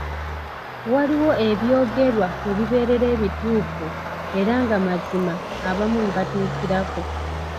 Waliwo ebyogerwa webibeerera ebituufu era nga mazima abamu bibatuukirako.